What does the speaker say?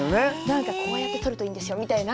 何か「こうやって撮るといいんですよ」みたいな。